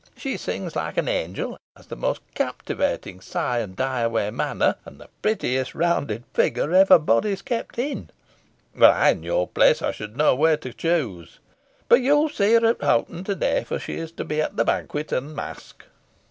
She sings like an angel, has the most captivating sigh and die away manner, and the prettiest rounded figure ever bodice kept in. Were I in your place I should know where to choose. But you will see her at Hoghton to day, for she is to be at the banquet and masque."